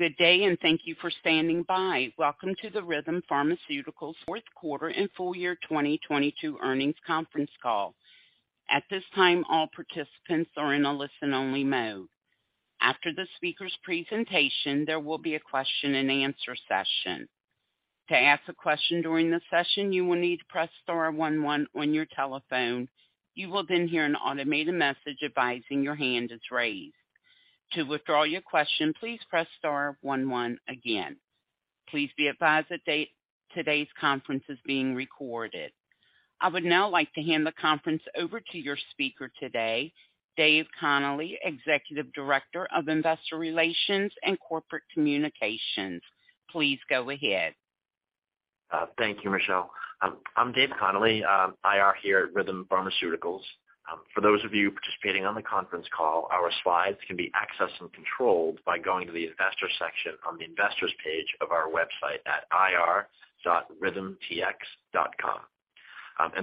Good day, and thank you for standing by. Welcome to the Rhythm Pharmaceuticals Q4 and Full Year 2022 Earnings Conference Call. At this time, all participants are in a listen-only mode. After the speaker's presentation, there will be a question-and-answer session. To ask a question during the session, you will need to press star one one on your telephone. You will then hear an automated message advising your hand is raised. To withdraw your question, please press star one one again. Please be advised that today's conference is being recorded. I would now like to hand the conference over to your speaker today, David Connolly, Executive Director of Investor Relations and Corporate Communications. Please go ahead. Thank you, Michelle. I'm David Connolly, IR here at Rhythm Pharmaceuticals. For those of you participating on the conference call, our slides can be accessed and controlled by going to the investor section on the investors page of our website at ir.rhythmtx.com.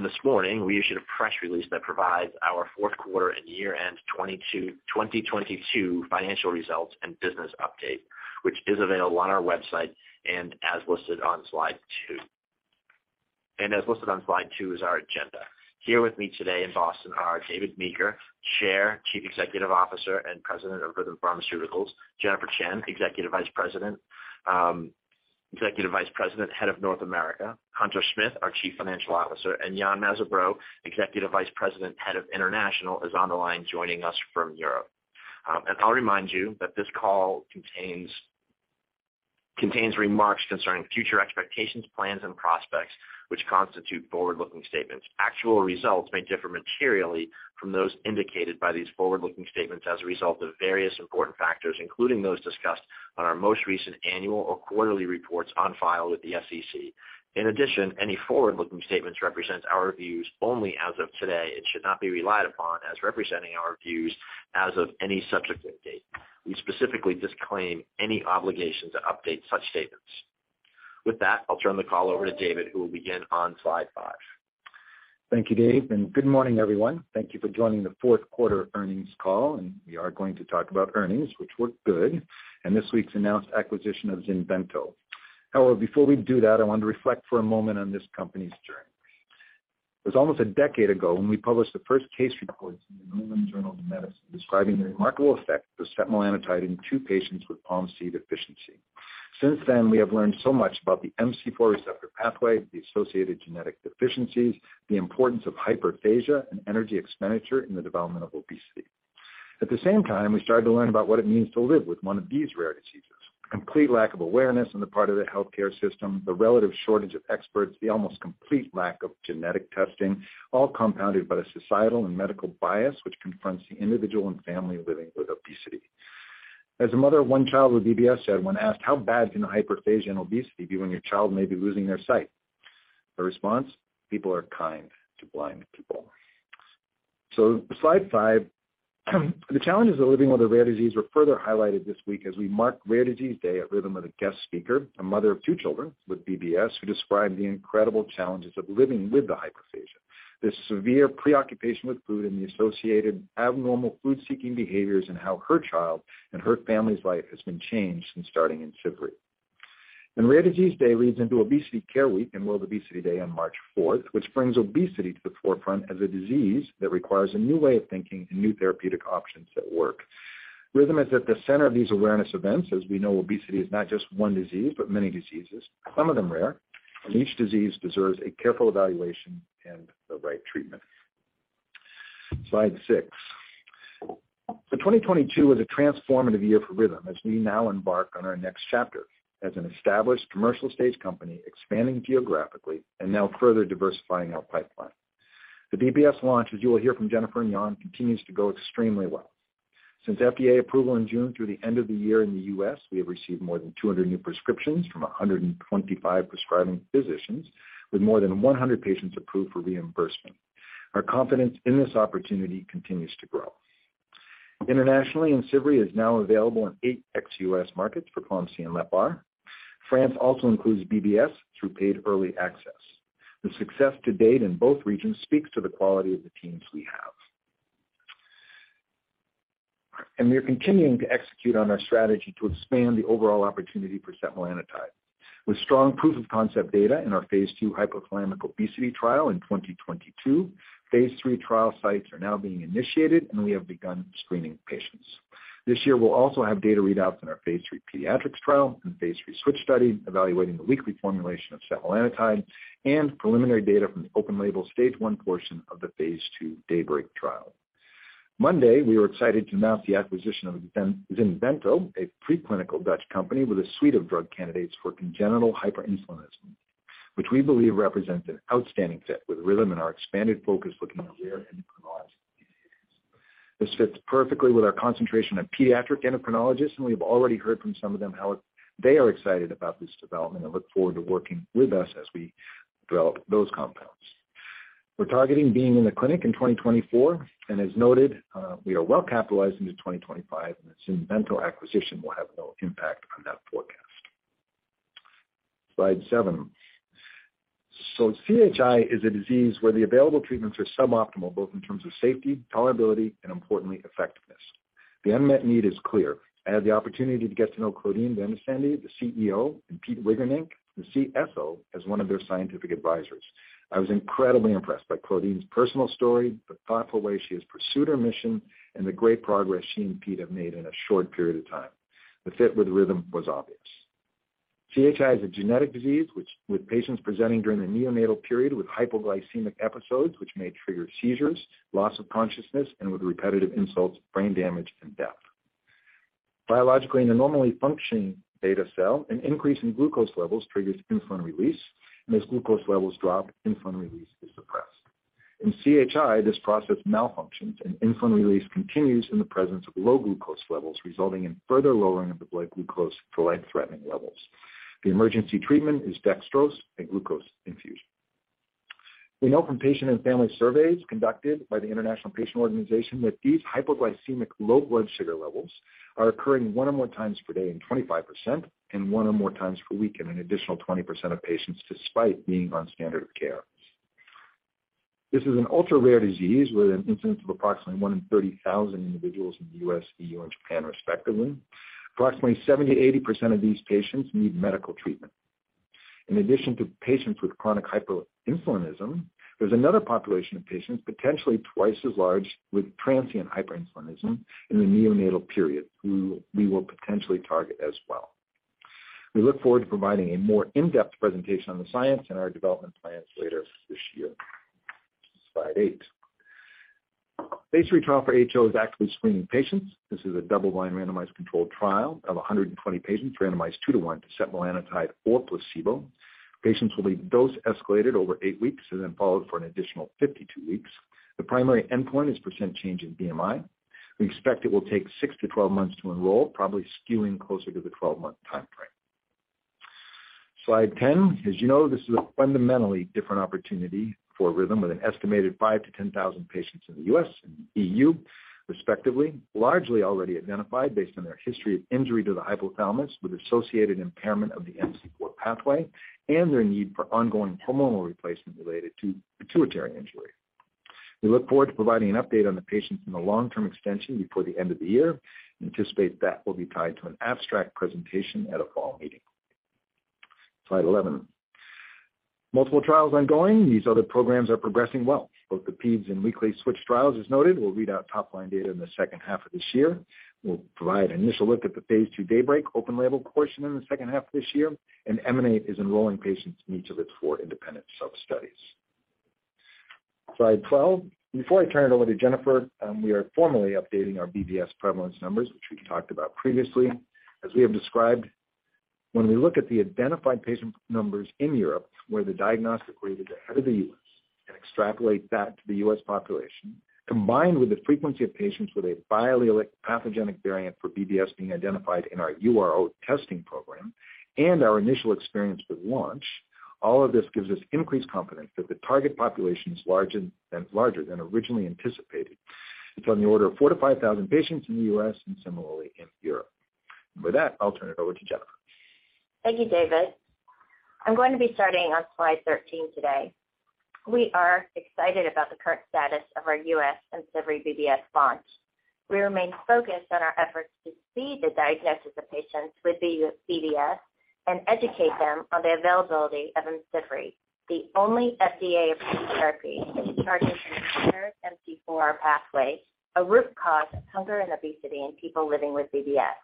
This morning, we issued a press release that provides our Q4 and year-end 2022 financial results and business update, which is available on our website and as listed on slide two. As listed on slide two is our agenda. Here with me today in Boston are David Meeker, Chair, Chief Executive Officer, and President of Rhythm Pharmaceuticals; Jennifer Chien, Executive Vice President, Head of North America; Hunter Smith, our Chief Financial Officer; and Yann Mazabraud, Executive Vice President, Head of International, is on the line joining us from Europe. I'll remind you that this call contains remarks concerning future expectations, plans, and prospects, which constitute forward-looking statements. Actual results may differ materially from those indicated by these forward-looking statements as a result of various important factors, including those discussed on our most recent annual or quarterly reports on file with the SEC. Any forward-looking statements represent our views only as of today and should not be relied upon as representing our views as of any subsequent date. We specifically disclaim any obligation to update such statements. With that, I'll turn the call over to David, who will begin on slide 5. Thank you, David. Good morning, everyone. Thank you for joining the Q4 earnings call. We are going to talk about earnings, which were good, and this week's announced acquisition of Xylvento B.V. However, before we do that, I want to reflect for a moment on this company's journey. It was almost a decade ago when we published the first case reports in The New England Journal of Medicine describing the remarkable effect of setmelanotide in two patients with POMC deficiency. Since then, we have learned so much about the MC4R pathway, the associated genetic deficiencies, the importance of hyperphagia and energy expenditure in the development of obesity. At the same time, we started to learn about what it means to live with one of these rare diseases. Complete lack of awareness on the part of the healthcare system, the relative shortage of experts, the almost complete lack of genetic testing, all compounded by the societal and medical bias which confronts the individual and family living with obesity. As a mother of one child with BBS said when asked, "How bad can hyperphagia and obesity be when your child may be losing their sight?" Her response, "People are kind to blind people." Slide five. The challenges of living with a rare disease were further highlighted this week as we marked Rare Disease Day at Rhythm with a guest speaker, a mother of two children with BBS, who described the incredible challenges of living with the hyperphagia. This severe preoccupation with food and the associated abnormal food-seeking behaviors and how her child and her family's life has been changed since starting in Slide 7. CHI is a disease where the available treatments are suboptimal, both in terms of safety, tolerability, and importantly, effectiveness. The unmet need is clear. I had the opportunity to get to know Claudine van Esbende, the CEO, and Pim Wijnvoord, the CSO, as one of their scientific advisors. I was incredibly impressed by Claudine's personal story, the thoughtful way she has pursued her mission, and the great progress she and Pete have made in a short period of time. The fit with Rhythm was obvious. CHI is a genetic disease, which with patients presenting during the neonatal period with hypoglycemic episodes, which may trigger seizures, loss of consciousness, and with repetitive insults, brain damage, and death. Biologically, in a normally functioning beta cell, an increase in glucose levels triggers insulin release, and as glucose levels drop, insulin release is suppressed. In CHI, this process malfunctions, and insulin release continues in the presence of low glucose levels, resulting in further lowering of the blood glucose to life-threatening levels. The emergency treatment is dextrose and glucose infusion. We know from patient and family surveys conducted by the International Patient Organization that these hypoglycemic low blood sugar levels are occurring one or more times per day in 25% and one or more times per week in an additional 20% of patients despite being on standard of care. This is an ultra-rare disease with an incidence of approximately one in 30,000 individuals in the US, EU, and Japan, respectively. Approximately 70%-80% of these patients need medical treatment. In addition to patients with chronic hyperinsulinism, there's another population of patients potentially twice as large with transient hyperinsulinism in the neonatal period, who we will potentially target as well. We look forward to providing a more in-depth presentation on the science and our development plans later this year. Slide eight. Phase three trial for HO is actively screening patients. This is a double-blind randomized controlled trial of 120 patients randomized two to one to setmelanotide or placebo. Patients will be dose escalated over eight weeks and then followed for an additional 52 weeks. The primary endpoint is percent change in BMI. We expect it will take 6-12 months to enroll, probably skewing closer to the 12-month timeframe. Slide 10. As you know, this is a fundamentally different opportunity for Rhythm with an estimated 5,000-10,000 patients in the US and EU, respectively, largely already identified based on their history of injury to the hypothalamus with associated impairment of the MC4R pathway and their need for ongoing hormonal replacement related to pituitary injury. We look forward to providing an update on the patients in the long-term extension before the end of the year. Anticipate that will be tied to an abstract presentation at a fall meeting. Slide 11. Multiple trials ongoing. These other programs are progressing well. Both the Peds and weekly switch trials, as noted, will read out top-line data in the H2 of this year. We'll provide initial look at the phase two DAYBREAK open label portion in the H2 of this year, and M&A is enrolling patients in each of its 4 independent sub-studies. Slide 12. Before I turn it over to Jennifer, we are formally updating our BBS prevalence numbers, which we've talked about previously. As we have described, when we look at the identified patient numbers in Europe, where the diagnostic wave is ahead of the US, and extrapolate that to the US population, combined with the frequency of patients with a biallelic pathogenic variant for BBS being identified in our URO testing program and our initial experience with launch, all of this gives us increased confidence that the target population is larger than originally anticipated. It's on the order of 4,000-5,000 patients in the US and similarly in Europe. With that, I'll turn it over to Jennifer. Thank you, David. I'm going to be starting on slide 13 today. We are excited about the current status of our US and IMCIVREE BBS launch. We remain focused on our efforts to see the diagnosis of patients with BBS and educate them on the availability of IMCIVREE, the only FDA-approved therapy that targets an inherent MC4R pathway, a root cause of hunger and obesity in people living with BBS.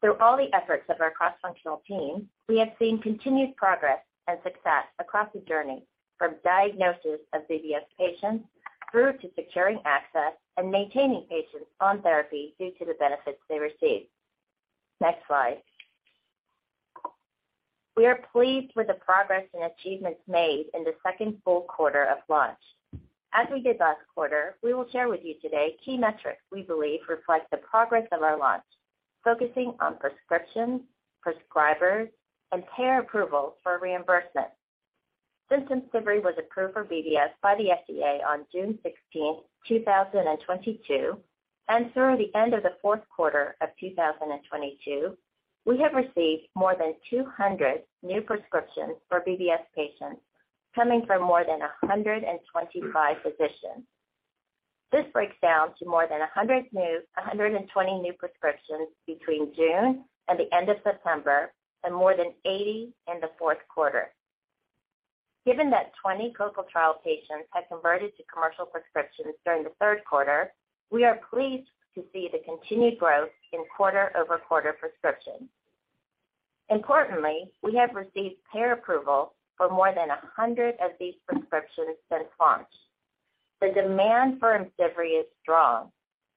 Through all the efforts of our cross-functional team, we have seen continued progress and success across the journey from diagnosis of BBS patients through to securing access and maintaining patients on therapy due to the benefits they receive. Next slide. We are pleased with the progress and achievements made in the second full quarter of launch. As we did last quarter, we will share with you today key metrics we believe reflect the progress of our launch, focusing on prescriptions, prescribers, and payer approval for reimbursement. Since IMCIVREE was approved for BBS by the FDA on June 16, 2022, and through the end of the Q4 of 2022, we have received more than 200 new prescriptions for BBS patients coming from more than 125 physicians. This breaks down to more than 120 new prescriptions between June and the end of September and more than 80 in the Q4. Given that 20 clinical trial patients have converted to commercial prescriptions during the Q3, we are pleased to see the continued growth in quarter-over-quarter prescriptions. Importantly, we have received payer approval for more than 100 of these prescriptions since launch. The demand for IMCIVREE is strong.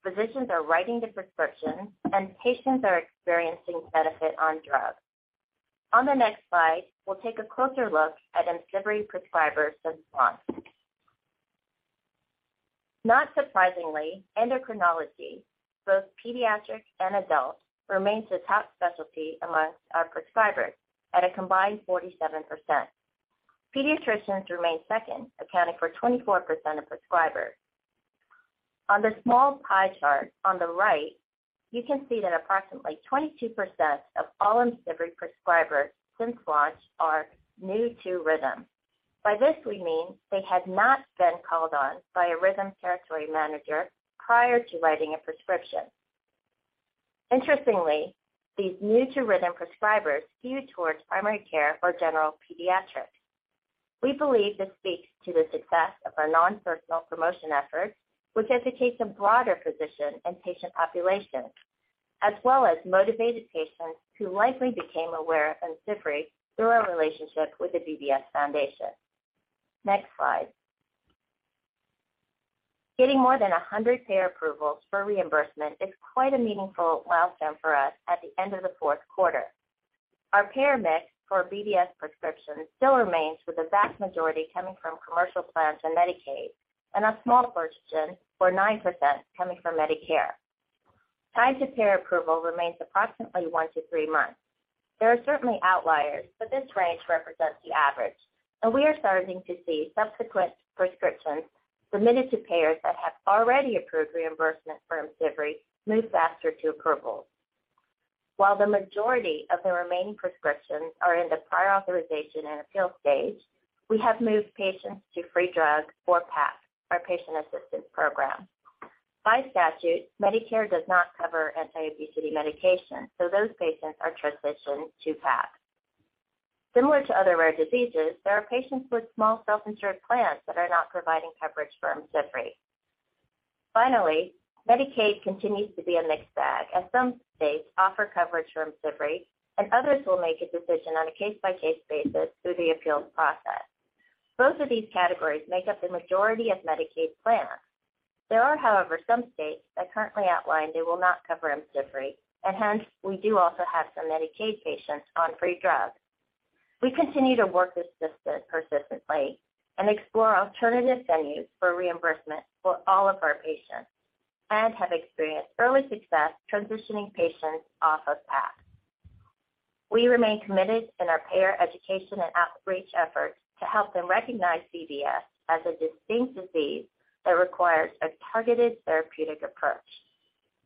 Physicians are writing the prescriptions, and patients are experiencing benefit on drug. On the next slide, we'll take a closer look at IMCIVREE prescribers since launch. Not surprisingly, endocrinology, both pediatric and adult, remains the top specialty amongst our prescribers at a combined 47%. Pediatricians remain second, accounting for 24% of prescribers. On the small pie chart on the right, you can see that approximately 22% of all IMCIVREE prescribers since launch are new to Rhythm. By this we mean they had not been called on by a Rhythm territory manager prior to writing a prescription. Interestingly, these new to Rhythm prescribers skew towards primary care or general pediatrics. We believe this speaks to the success of our non-personal promotion efforts, which educate some broader physician and patient populations, as well as motivated patients who likely became aware of IMCIVREE through our relationship with the BBS Foundation. Next slide. Getting more than 100 payer approvals for reimbursement is quite a meaningful milestone for us at the end of the Q4. Our payer mix for BBS prescriptions still remains, with the vast majority coming from commercial plans and Medicaid, a small portion, or 9%, coming from Medicare. Time to payer approval remains approximately one-three months. There are certainly outliers, but this range represents the average, and we are starting to see subsequent prescriptions submitted to payers that have already approved reimbursement for IMCIVREE move faster to approval. While the majority of the remaining prescriptions are in the prior authorization and appeal stage, we have moved patients to free drug or PAP, our patient assistance program. By statute, Medicare does not cover anti-obesity medication. Those patients are transitioned to PAP. Similar to other rare diseases, there are patients with small self-insured plans that are not providing coverage for IMCIVREE. Finally, Medicaid continues to be a mixed bag as some states offer coverage for IMCIVREE. Others will make a decision on a case-by-case basis through the appeals process. Both of these categories make up the majority of Medicaid plans. There are, however, some states that currently outline they will not cover IMCIVREE. Hence we do also have some Medicaid patients on free drug. We continue to work this system persistently and explore alternative venues for reimbursement for all of our patients, have experienced early success transitioning patients off of PAP. We remain committed in our payer education and outreach efforts to help them recognize BBS as a distinct disease that requires a targeted therapeutic approach.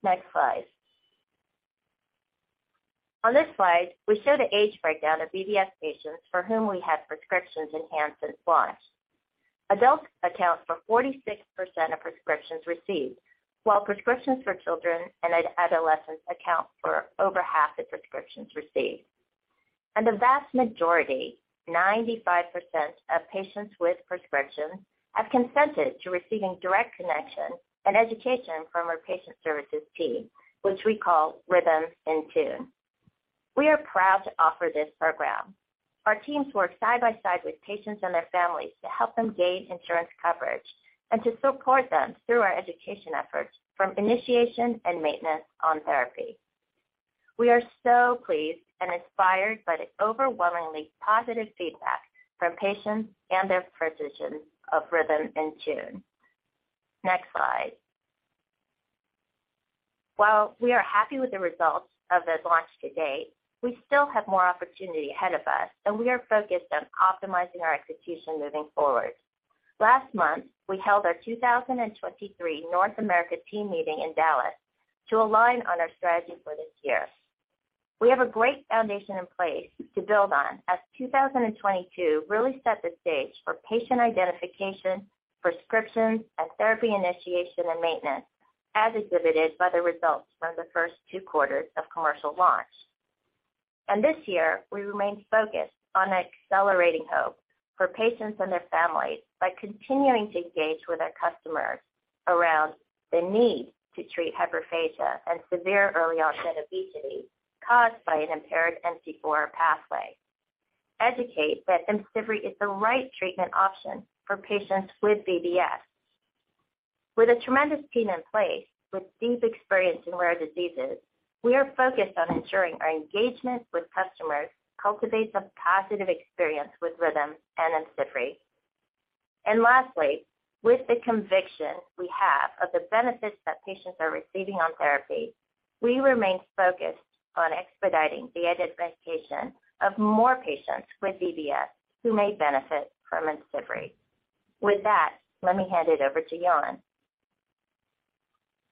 Next slide. On this slide, we show the age breakdown of BBS patients for whom we have prescriptions enhanced since launch. Adults account for 46% of prescriptions received, while prescriptions for children and adolescents account for over half the prescriptions received. The vast majority, 95% of patients with prescriptions, have consented to receiving direct connection and education from our patient services team, which we call Rhythm InTune. We are proud to offer this program. Our teams work side by side with patients and their families to help them gain insurance coverage and to support them through our education efforts from initiation and maintenance on therapy. We are so pleased and inspired by the overwhelmingly positive feedback from patients and their physicians of Rhythm InTune. Next slide. We are happy with the results of the launch to date, we still have more opportunity ahead of us, and we are focused on optimizing our execution moving forward. Last month, we held our 2023 North America team meeting in Dallas to align on our strategy for this year. We have a great foundation in place to build on as 2022 really set the stage for patient identification, prescriptions, and therapy initiation and maintenance, as exhibited by the results from the first two quarters of commercial launch. This year, we remain focused on accelerating hope for patients and their families by continuing to engage with our customers around the need to treat hyperphagia and severe early-onset obesity caused by an impaired MC4R pathway. Educate that IMCIVREE is the right treatment option for patients with BBS. With a tremendous team in place with deep experience in rare diseases, we are focused on ensuring our engagement with customers cultivates a positive experience with Rhythm and IMCIVREE. Lastly, with the conviction we have of the benefits that patients are receiving on therapy, we remain focused on expediting the identification of more patients with BBS who may benefit from IMCIVREE. With that, let me hand it over to Yann.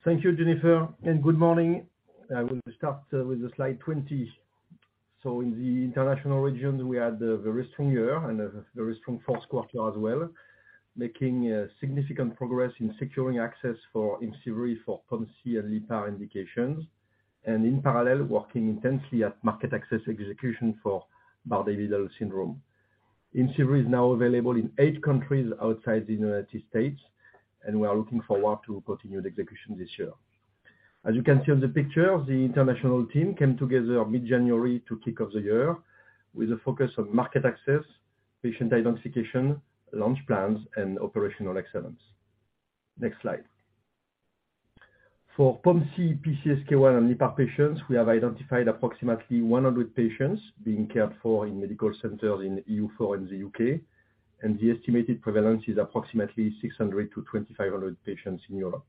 Thank you, Jennifer, and good morning. I will start with the slide 20. In the international region we had a very strong year and a very strong Q4 as well, making significant progress in securing access for IMCIVREE for POMC and LEPR indications, and in parallel working intensely at market access execution for Bardet-Biedl syndrome. IMCIVREE is now available in eight countries outside the United States, and we are looking forward to continued execution this year. As you can see on the picture, the international team came together mid-January to kick off the year with a focus on market access, patient identification, launch plans and operational excellence. Next slide. For POMC, PCSK1 and LEPR patients, we have identified approximately 100 patients being cared for in medical centers in EU4 and the UK, and the estimated prevalence is approximately 600-2,500 patients in Europe.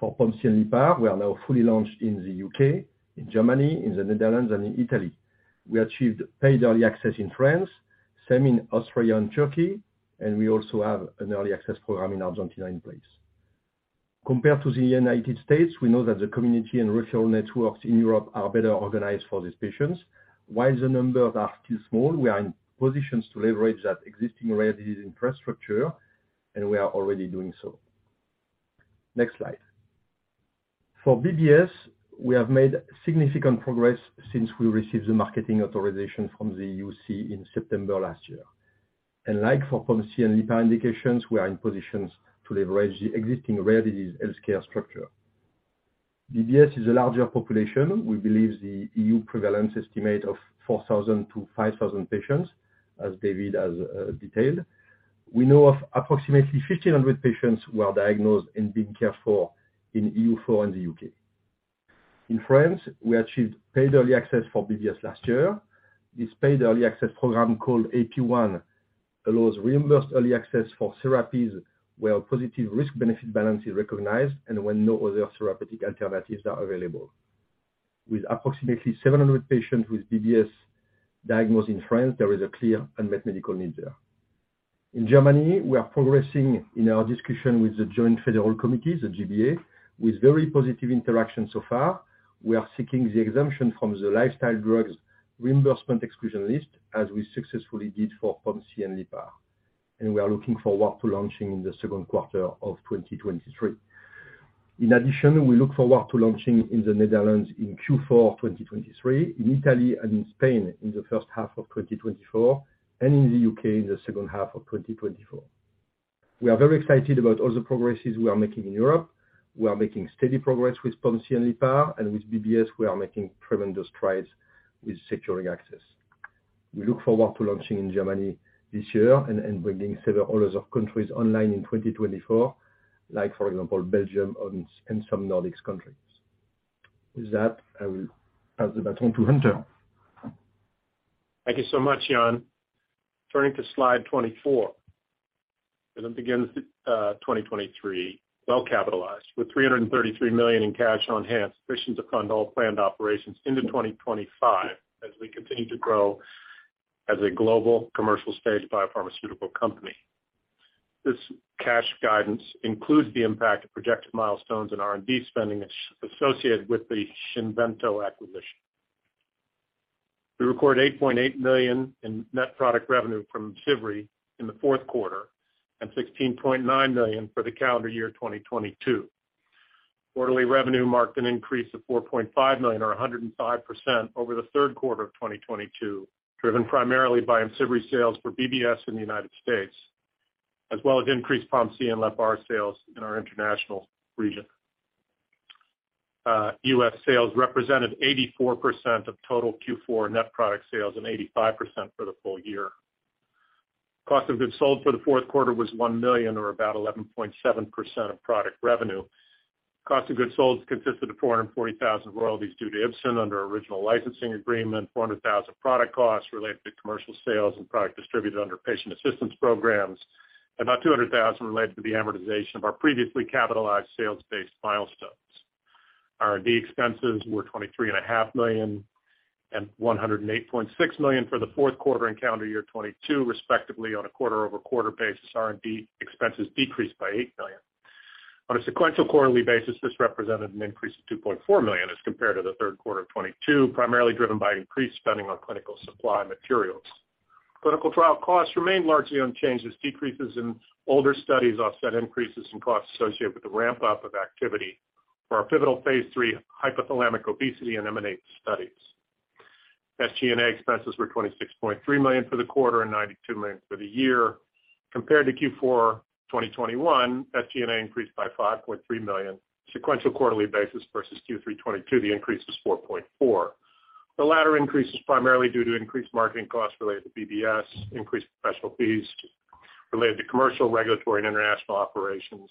For POMC and LEPR, we are now fully launched in the UK, in Germany, in the Netherlands, and in Italy. We achieved paid early access in France, same in Austria and Turkey, and we also have an early access program in Argentina in place. Compared to the US, we know that the community and referral networks in Europe are better organized for these patients. While the numbers are still small, we are in positions to leverage that existing rare disease infrastructure, and we are already doing so. Next slide. For BBS, we have made significant progress since we received the marketing authorization from the EUC in September last year. Like for POMC and LEPR indications, we are in positions to leverage the existing rare disease healthcare structure. BBS is a larger population. We believe the EU prevalence estimate of 4,000-5,000 patients, as David has detailed. We know of approximately 1,500 patients who are diagnosed and being cared for in EU 4 and the UK. In France, we achieved paid early access for BBS last year. This paid early access program called AP1 allows reimbursed early access for therapies where a positive risk-benefit balance is recognized and when no other therapeutic alternatives are available. With approximately 700 patients with BBS diagnosed in France, there is a clear unmet medical need there. In Germany, we are progressing in our discussion with the Federal Joint Committee, the G-BA, with very positive interaction so far. We are seeking the exemption from the lifestyle drugs reimbursement exclusion list, as we successfully did for POMC and LEPR. We are looking forward to launching in the Q2 of 2023. In addition, we look forward to launching in the Netherlands in Q4 2023, in Italy and in Spain in the H1 of 2024, and in the UK in the H2 of 2024. We are very excited about all the progresses we are making in Europe. We are making steady progress with POMC and LEPR, and with BBS, we are making tremendous strides with securing access. We look forward to launching in Germany this year and bringing several others of countries online in 2024, like for example, Belgium and some Nordics countries. With that, I will pass the baton to Hunter. Thank you so much, Yann. Turning to slide 24. Rhythm begins 2023, well capitalized with $333 million in cash on hand, sufficient to fund all planned operations into 2025 as we continue to grow as a global commercial-stage biopharmaceutical company. This cash guidance includes the impact of projected milestones and R&D spending associated with the Xinvento acquisition. We record $8.8 million in net product revenue from IMCIVREE in the 4th quarter and $16.9 million for the calendar year 2022. Quarterly revenue marked an increase of $4.5 million or 105% over the 3rd quarter of 2022, driven primarily by IMCIVREE sales for BBS in the United States, as well as increased POMC and LEPR sales in our international region. US sales represented 84% of total Q4 net product sales and 85% for the full year. Cost of goods sold for the Q4 was $1 million or about 11.7% of product revenue. Cost of goods sold consisted of $440,000 royalties due to Ipsen under original licensing agreement, $400,000 product costs related to commercial sales and product distributed under patient assistance programs, about $200,000 related to the amortization of our previously capitalized sales-based milestones. R&D expenses were $23.5 million and $108.6 million for the Q4 and calendar year 2022, respectively. On a quarter-over-quarter basis, R&D expenses decreased by $8 million. On a sequential quarterly basis, this represented an increase of $2.4 million as compared to Q3 2022, primarily driven by increased spending on clinical supply materials. Clinical trial costs remained largely unchanged as decreases in older studies offset increases in costs associated with the ramp-up of activity for our pivotal Phase three hypothalamic obesity and EMINATE studies. SG&A expenses were $26.3 million for the quarter and $92 million for the year. Compared to Q4 2021, SG&A increased by $5.3 million. Sequential quarterly basis versus Q3 2022, the increase was $4.4 million. The latter increase is primarily due to increased marketing costs related to BBS, increased professional fees related to commercial, regulatory, and international operations.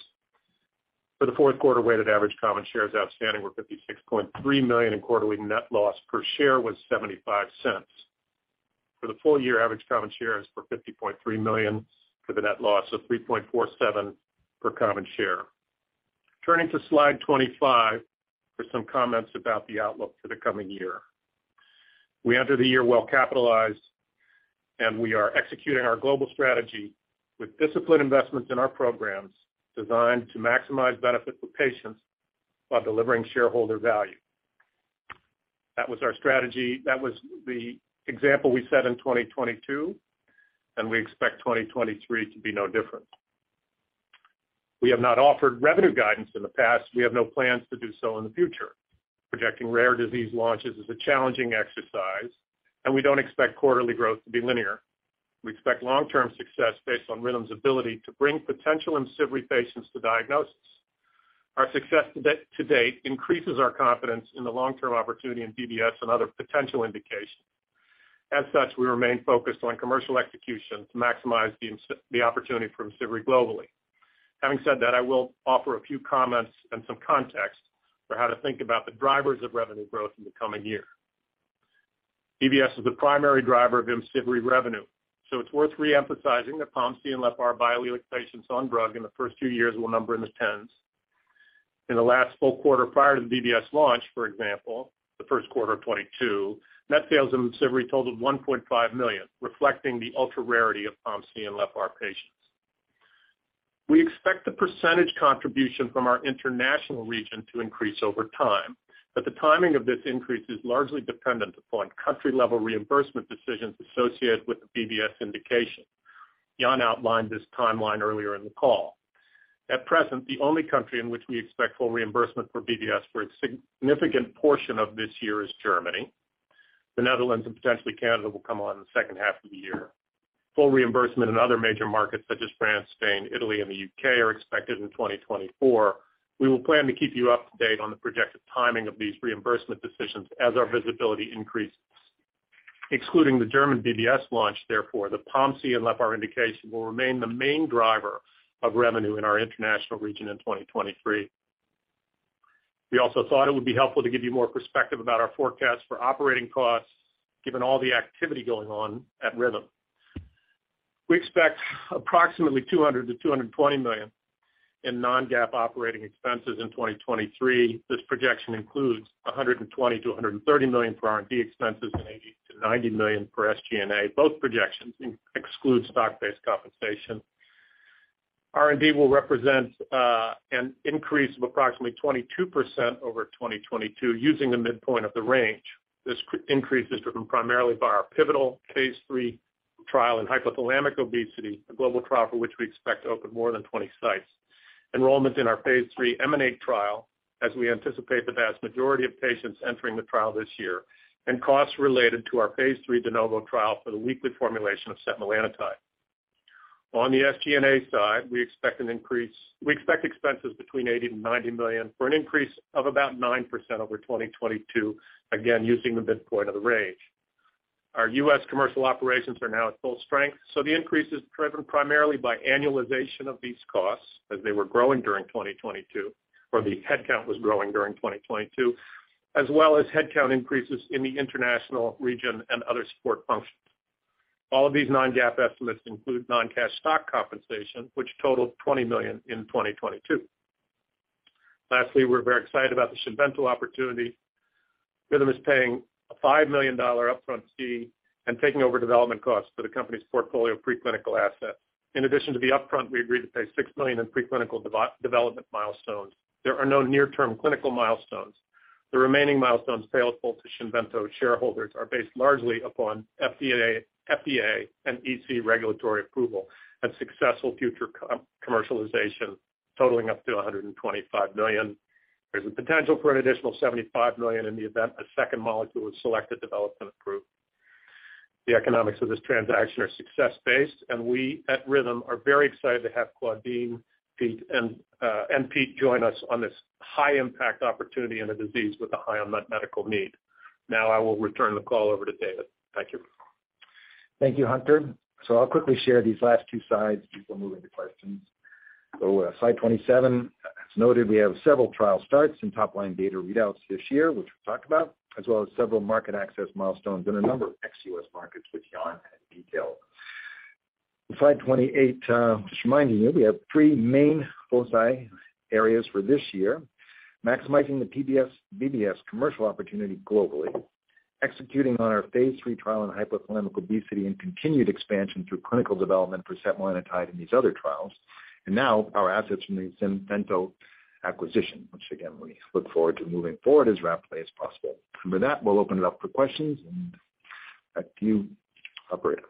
For the Q4, weighted average common shares outstanding were 56.3 million, and quarterly net loss per share was $0.75. For the full year, average common shares were $50.3 million for the net loss of $3.47 per common share. Turning to slide 25 for some comments about the outlook for the coming year. We enter the year well capitalized. We are executing our global strategy with disciplined investments in our programs designed to maximize benefit for patients while delivering shareholder value. That was our strategy. That was the example we set in 2022. We expect 2023 to be no different. We have not offered revenue guidance in the past. We have no plans to do so in the future. Projecting rare disease launches is a challenging exercise. We don't expect quarterly growth to be linear. We expect long-term success based on Rhythm's ability to bring potential IMCIVREE patients to diagnosis. Our success to date increases our confidence in the long-term opportunity in BBS and other potential indications. We remain focused on commercial execution to maximize the opportunity for IMCIVREE globally. I will offer a few comments and some context for how to think about the drivers of revenue growth in the coming year. BBS is the primary driver of IMCIVREE revenue, it's worth re-emphasizing that POMC and LEPR biallelic patients on drug in the first few years will number in the tens. In the last full quarter prior to the BBS launch, for example, the Q1 of 2022, net sales in IMCIVREE totaled $1.5 million, reflecting the ultra-rarity of POMC and LEPR patients. We expect the percentage contribution from our international region to increase over time, but the timing of this increase is largely dependent upon country level reimbursement decisions associated with the BBS indication. Yann outlined this timeline earlier in the call. At present, the only country in which we expect full reimbursement for BBS for a significant portion of this year is Germany. The Netherlands and potentially Canada will come on in the H2 of the year. Full reimbursement in other major markets such as France, Spain, Italy, and the UK are expected in 2024. We will plan to keep you up to date on the projected timing of these reimbursement decisions as our visibility increases. Excluding the German BBS launch, therefore, the POMC and LEPR indication will remain the main driver of revenue in our international region in 2023. We also thought it would be helpful to give you more perspective about our forecast for operating costs given all the activity going on at Rhythm. We expect approximately $200 million-$220 million in non-GAAP operating expenses in 2023. This projection includes $120 million-$130 million for R&D expenses and $80 million-$90 million for SG&A. Both projections exclude stock-based compensation. R&D will represent an increase of approximately 22% over 2022 using the midpoint of the range. This increase is driven primarily by our pivotal Phase three trial in hypothalamic obesity, a global trial for which we expect to open more than 20 sites. Enrollment in our Phase three EMANATE trial as we anticipate the vast majority of patients entering the trial this year, and costs related to our Phase three trial de novo for the weekly formulation of setmelanotide. On the SG&A side, we expect an increase. We expect expenses between $80 million-$90 million for an increase of about 9% over 2022, again, using the midpoint of the range. Our US commercial operations are now at full strength, so the increase is driven primarily by annualization of these costs as they were growing during 2022, or the headcount was growing during 2022, as well as headcount increases in the international region and other support functions. All of these non-GAAP estimates include non-cash stock compensation, which totaled $20 million in 2022. Lastly, we're very excited about the Xinvento opportunity. Rhythm is paying a $5 million upfront fee and taking over development costs for the company's portfolio of preclinical assets. In addition to the upfront, we agreed to pay $6 million in preclinical development milestones. There are no near-term clinical milestones. The remaining milestones payable to Xinvento shareholders are based largely upon FDA and EC regulatory approval and successful future commercialization totaling up to $125 million. There's a potential for an additional $75 million in the event a second molecule is selected, developed, and approved. We at Rhythm are very excited to have Claudine, Pete, and Pete join us on this high impact opportunity in a disease with a high unmet medical need. I will return the call over to David. Thank you. Thank you, Hunter. I'll quickly share these last two slides before moving to questions. Slide 27. As noted, we have several trial starts and top-line data readouts this year, which we talked about, as well as several market access milestones in a number of ex-US markets, which Yann detailed. On slide 28, just reminding you, we have three main foci areas for this year, maximizing the BBS commercial opportunity globally, executing on our Phase three trial in hypothalamic obesity and continued expansion through clinical development for setmelanotide in these other trials. Now our assets from the Xinvento B.V. acquisition, which again, we look forward to moving forward as rapidly as possible. With that, we'll open it up for questions and back to you, operator.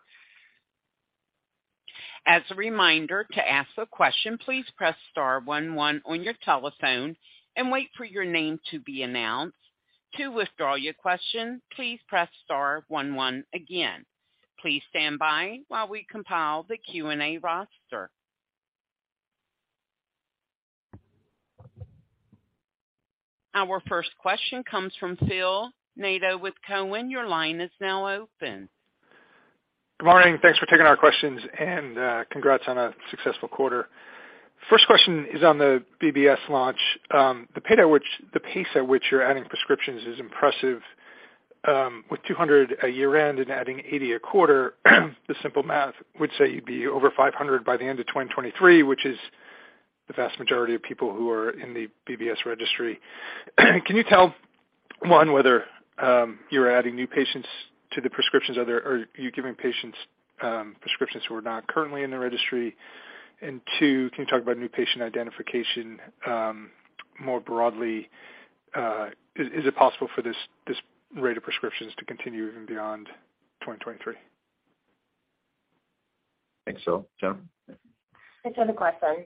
As a reminder, to ask a question, please press star one one on your telephone and wait for your name to be announced. To withdraw your question, please press star one one again. Please stand by while we compile the Q&A roster. Our first question comes from Phil Nadeau with Cowen. Your line is now open. Good morning. Thanks for taking our questions and congrats on a successful quarter. First question is on the BBS launch. The pace at which you're adding prescriptions is impressive. With 200 a year end and adding 80 a quarter, the simple math would say you'd be over 500 by the end of 2023, which is the vast majority of people who are in the BBS registry. Can you tell, one, whether you're adding new patients to the prescriptions? Are you giving patients prescriptions who are not currently in the registry? Two, can you talk about new patient identification more broadly? Is it possible for this rate of prescriptions to continue even beyond 2023? Thanks, Phil. Jen? Thanks for the question.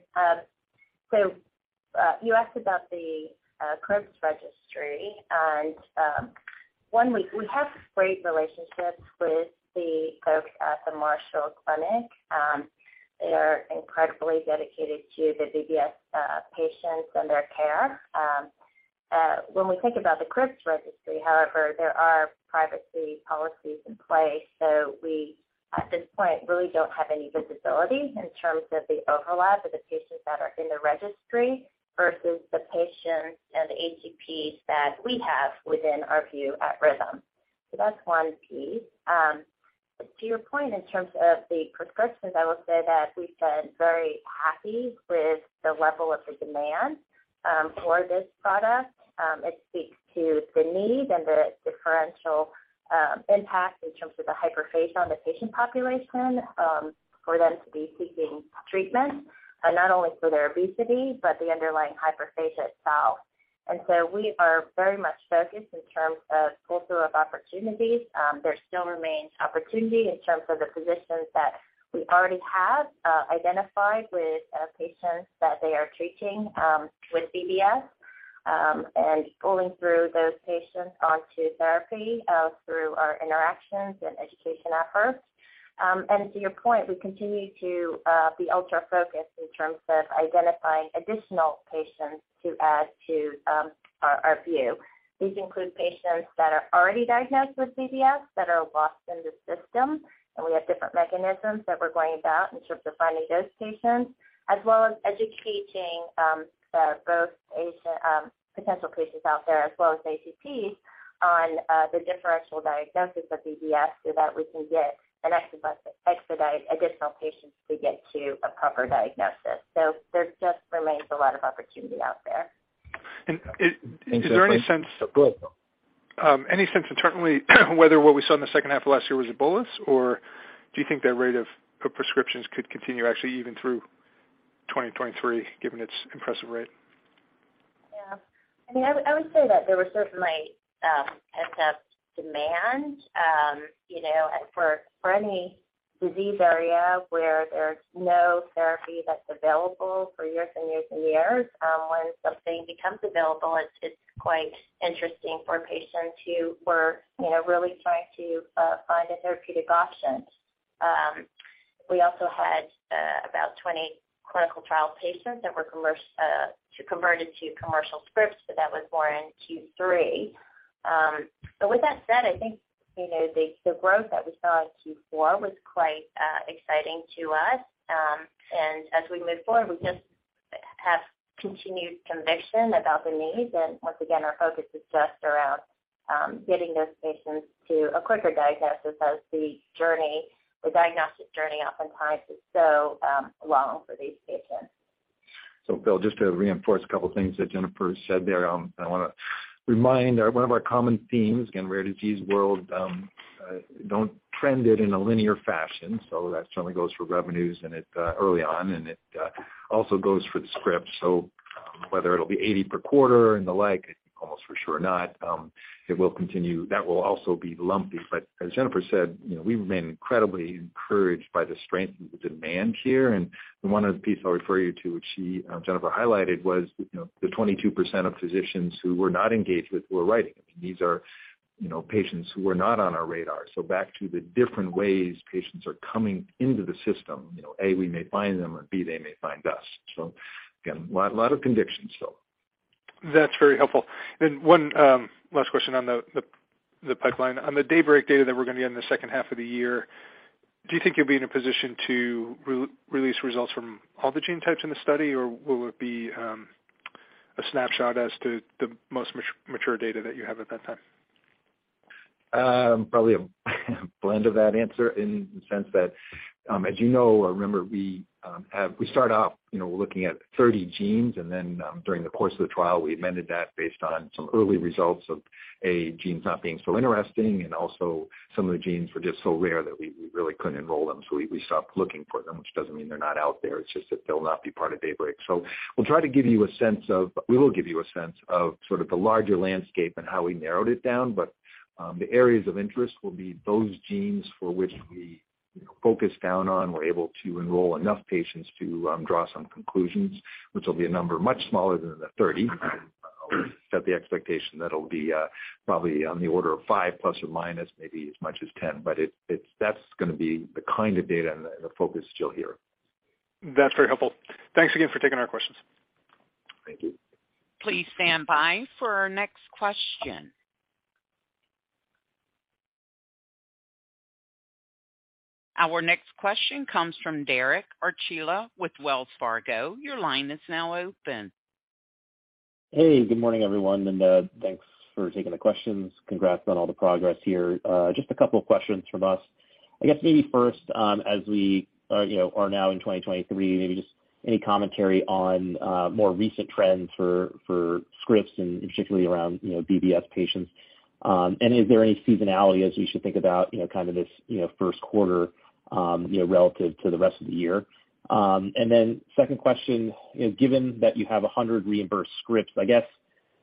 You asked about the CRIBBS registry. We have great relationships with the folks at the Marshfield Clinic. They are incredibly dedicated to the BBS patients and their care. When we think about the CRIBBS registry, however, there are privacy policies in play. We, at this point, really don't have any visibility in terms of the overlap of the patients that are in the registry versus the patients and the HCPs that we have within our view at Rhythm. That's one piece. To your point, in terms of the prescriptions, I will say that we've been very happy with the level of the demand for this product. It speaks to the need and the differential impact in terms of the hyperphagia on the patient population for them to be seeking treatment, not only for their obesity but the underlying hyperphagia itself. We are very much focused in terms of pull-through of opportunities. There still remains opportunity in terms of the physicians that we already have identified with patients that they are treating with BBS, and pulling through those patients onto therapy through our interactions and education efforts. And to your point, we continue to be ultra focused in terms of identifying additional patients to add to our view. These include patients that are already diagnosed with BBS that are lost in the system, and we have different mechanisms that we're going about in terms of finding those patients, as well as educating, both potential patients out there, as well as HCPs on the differential diagnosis of BBS so that we can get and expedite additional patients to get to a proper diagnosis. There just remains a lot of opportunity out there. Is there any sense? Thanks, Jennifer. Go ahead. Any sense of certainly whether what we saw in the H2 of last year was a bolus, or do you think that rate of prescriptions could continue actually even through 2023, given its impressive rate? Yeah. I mean, I would say that there was certainly pent-up demand. You know, for any disease area where there's no therapy that's available for years and years and years, when something becomes available, it's quite interesting for patients who were, you know, really trying to find a therapeutic option. We also had about 20 clinical trial patients that were converted to commercial scripts, but that was more in Q3. With that said, I think, you know, the growth that we saw in Q4 was quite exciting to us. As we move forward, we just have continued conviction about the needs. Once again, our focus is just around getting those patients to a quicker diagnosis as the journey, the diagnostic journey oftentimes is so long for these patients. Phil Nadeau, just to reinforce a couple of things that Jennifer Chien said there, I wanna remind one of our common themes, again, rare disease world, don't trend it in a linear fashion. That certainly goes for revenues and it early on, and it also goes for the script. Whether it'll be 80 per quarter and the like, almost for sure not, it will continue. That will also be lumpy. As Jennifer Chien said, you know, we remain incredibly encouraged by the strength and the demand here. One of the pieces I'll refer you to, which she, Jennifer Chien, highlighted was, you know, the 22% of physicians who we're not engaged with were writing. I mean, these are, you know, patients who are not on our radar. Back to the different ways patients are coming into the system, you know, A, we may find them, or B, they may find us. Again, lot of conviction still. That's very helpful. One last question on the pipeline. On the DAYBREAK data that we're gonna get in the H2 of the year, do you think you'll be in a position to re-release results from all the gene types in the study, or will it be a snapshot as to the most mature data that you have at that time? Probably a blend of that answer in the sense that, as you know or remember, we start off, you know, looking at 30 genes, and then, during the course of the trial, we amended that based on some early results of, A, genes not being so interesting, and also some of the genes were just so rare that we really couldn't enroll them. We stopped looking for them, which doesn't mean they're not out there. It's just that they'll not be part of DAYBREAK. We will give you a sense of sort of the larger landscape and how we narrowed it down. The areas of interest will be those genes for which we, you know, focus down on, we're able to enroll enough patients to draw some conclusions, which will be a number much smaller than the 30. Set the expectation that'll be probably on the order of 5 plus or minus, maybe as much as 10. That's gonna be the kind of data and the focus still here. That's very helpful. Thanks again for taking our questions. Thank you. Please stand by for our next question. Our next question comes from Derek Archila with Wells Fargo. Your line is now open. Hey, good morning, everyone, thanks for taking the questions. Congrats on all the progress here. Just a couple of questions from us. I guess maybe first, as we are, you know, now in 2023, maybe just any commentary on more recent trends for scripts and particularly around, you know, BBS patients. Is there any seasonality as we should think about, you know, kind of this, you know, Q1, you know, relative to the rest of the year? Then second question, you know, given that you have 100 reimbursed scripts, I guess,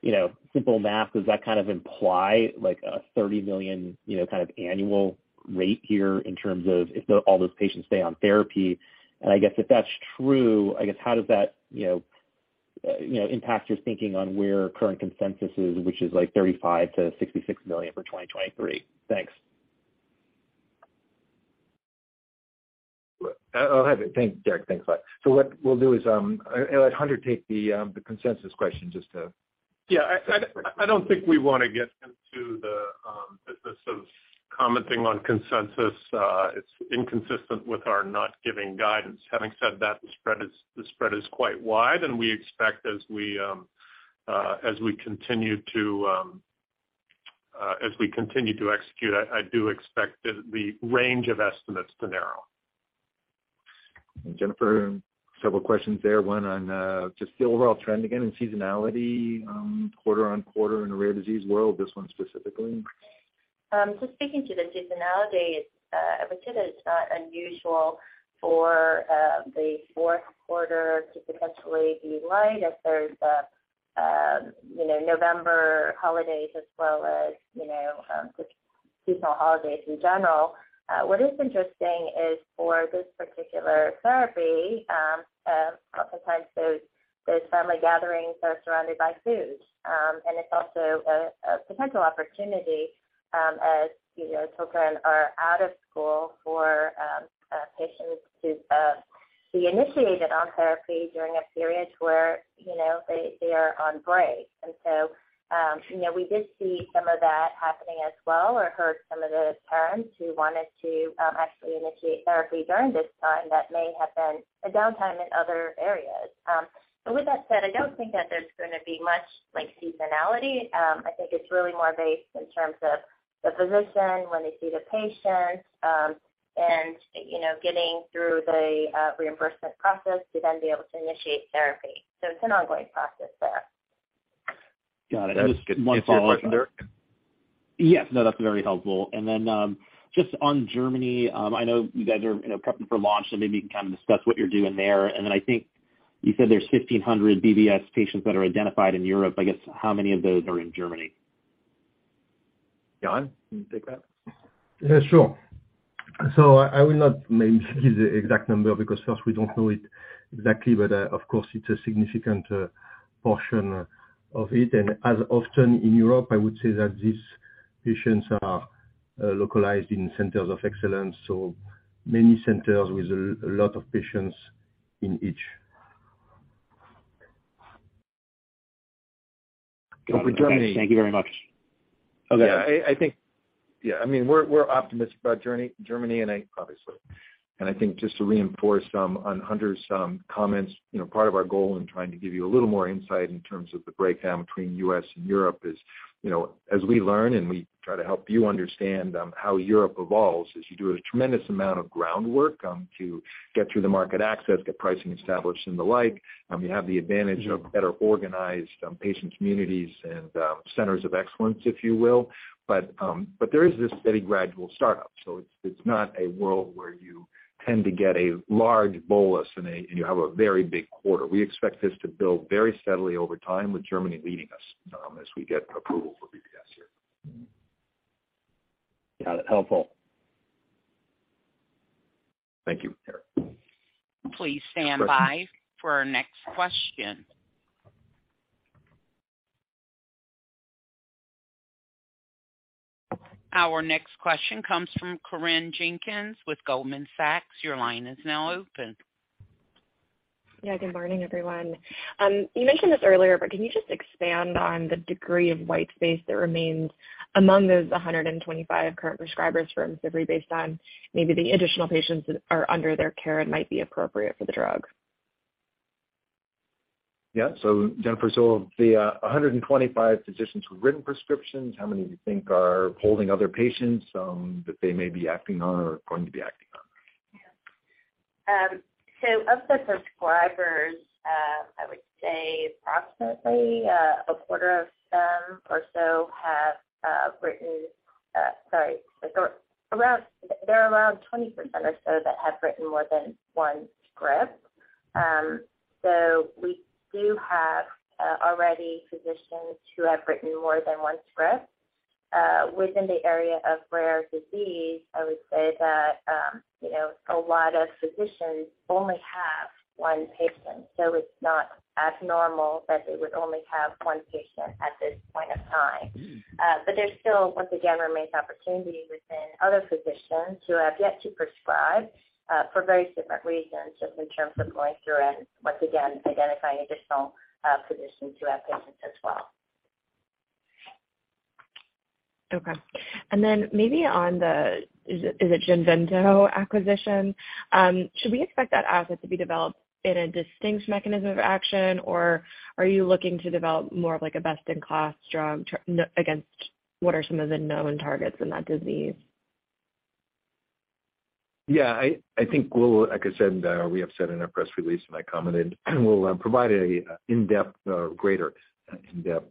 you know, simple math, does that kind of imply like a $30 million, you know, kind of annual rate here in terms of if all those patients stay on therapy? I guess if that's true, I guess how does that, you know, you know, impact your thinking on where current consensus is, which is like $35 million-$66 million for 2023? Thanks. I'll have it. Thanks, Derek. Thanks a lot. What we'll do is, I'll let Hunter take the consensus question. I don't think we wanna get into the business of commenting on consensus. It's inconsistent with our not giving guidance. Having said that, the spread is quite wide, and we expect as we As we continue to execute, I do expect the range of estimates to narrow. Jennifer, several questions there. One on just the overall trend again and seasonality, quarter-on-quarter in the rare disease world, this one specifically. Just speaking to the seasonality, it's, I would say that it's not unusual for the Q4 to potentially be light as there's, you know, November holidays as well as, you know, just seasonal holidays in general. What is interesting is for this particular therapy, oftentimes those family gatherings are surrounded by food. It's also a potential opportunity, as, you know, children are out of school for patients to be initiated on therapy during a period where, you know, they are on break. You know, we did see some of that happening as well or heard some of those parents who wanted to actually initiate therapy during this time that may have been a downtime in other areas. With that said, I don't think that there's gonna be much like seasonality. I think it's really more based in terms of the physician when they see the patient, and, you know, getting through the reimbursement process to then be able to initiate therapy. It's an ongoing process there. Got it. Just one follow-up. That's good. Is this your question, Derek? Yes. No, that's very helpful. Then, just on Germany, I know you guys are, you know, prepping for launch, so maybe you can kind of discuss what you're doing there. Then I think you said there's 1,500 BBS patients that are identified in Europe. I guess how many of those are in Germany? John, can you take that? Yeah, sure. I will not mention the exact number because first we don't know it exactly, of course it's a significant portion of it. As often in Europe, I would say that these patients are localized in centers of excellence, many centers with a lot of patients in each. Got it. Thanks. Thank you very much. Yeah. I think. Yeah. I mean, we're optimistic about Germany obviously. I think just to reinforce on Hunter's comments, you know, part of our goal in trying to give you a little more insight in terms of the breakdown between US and Europe is, you know, as we learn and we try to help you understand how Europe evolves, is you do a tremendous amount of groundwork to get through the market access, get pricing established and the like. Y ou have the advantage of better organized patient communities and centers of excellence, if you will. There is this steady gradual startup, so it's not a world where you tend to get a large bolus and you have a very big quarter. We expect this to build very steadily over time with Germany leading us, as we get approval for BBS here. Got it. Helpful. Thank you. Sure. Please stand by for our next question. Our next question comes from Corinne Jenkins with Goldman Sachs. Your line is now open. Yeah, good morning, everyone. You mentioned this earlier, but can you just expand on the degree of white space that remains among those 125 current prescribers for IMCIVREE based on maybe the additional patients that are under their care and might be appropriate for the drug? Yeah. Jennifer, so the 125 physicians who've written prescriptions, how many do you think are holding other patients, that they may be acting on or going to be acting on? Of the prescribers, I would say approximately a quarter of them or so have written. There are around 20% or so that have written more than one script. We do have already physicians who have written more than one script. Within the area of rare disease, I would say that, you know, a lot of physicians only have one patient, so it's not abnormal that they would only have one patient at this point of time. There's still, once again, remains opportunity within other physicians who have yet to prescribe for various different reasons, just in terms of going through and once again, identifying additional physicians who have patients as well. Okay. Maybe on the... Is it Xinvento acquisition? Should we expect that asset to be developed in a distinct mechanism of action, or are you looking to develop more of like a best-in-class drug against what are some of the known targets in that disease? Yeah, I think we'll, like I said, we have said in our press release, and I commented, we'll provide a in-depth or greater in-depth